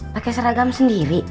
pake seragam sendiri